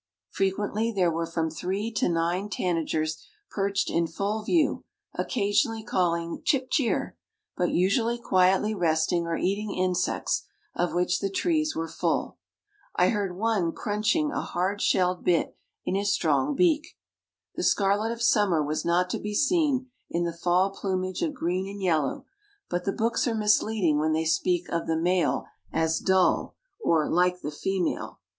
Frequently there were from three to nine tanagers perched in full view, occasionally calling chip cheer! but usually quietly resting or eating insects, of which the trees were full. I heard one crunching a hard shelled bit in his strong beak. The scarlet of summer was not to be seen in the fall plumage of green and yellow, but the books are misleading when they speak of the male as "dull," or "like the female."